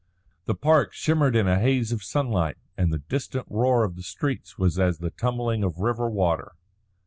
The park shimmered in a haze of sunlight, and the distant roar of the streets was as the tumbling of river water.